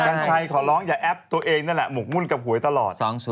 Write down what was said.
ัญชัยขอร้องอย่าแอปตัวเองนั่นแหละหมกมุ่นกับหวยตลอด